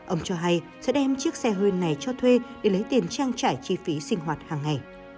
ông cho hay sẽ đem chiếc xe hơi này cho thuê để lấy tiền trang trải chi phí sinh hoạt hàng ngày